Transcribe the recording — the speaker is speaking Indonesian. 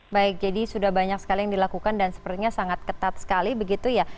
baik jadi sudah banyak sekali yang dilakukan dan sepertinya sangat ketat sekali begitu ya